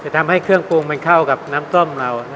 ทำให้เครื่องปรุงข้องกับน้ำส้มกัน